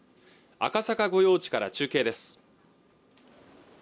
赤坂御用地から中継です